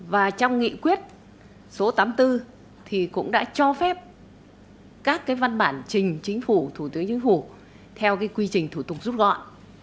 và trong nghị quyết số tám mươi bốn thì cũng đã cho phép các cái văn bản trình chính phủ thủ tướng chính phủ theo cái quy trình thủ tục rút gọn